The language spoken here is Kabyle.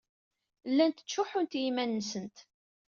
Llant ttcuḥḥunt i yiman-nsent.